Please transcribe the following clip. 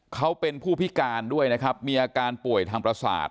เขาเป็นผู้พิการด้วยนะครับมีอาการป่วยทางประสาท